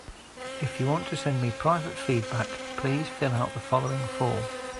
If you want to send me private feedback, please fill out the following form.